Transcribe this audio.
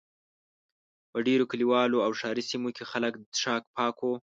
په ډېرو کلیوالو او ښاري سیمو کې خلک د څښاک پاکو.